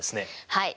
はい。